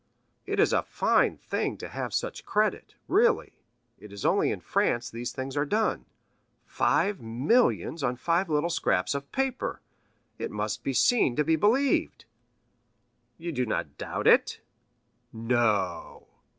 "It is a fine thing to have such credit; really, it is only in France these things are done. Five millions on five little scraps of paper!—it must be seen to be believed." "You do not doubt it?" "No!"